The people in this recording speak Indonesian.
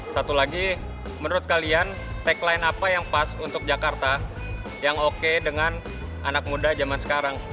satu lagi menurut kalian tagline apa yang pas untuk jakarta yang oke dengan anak muda zaman sekarang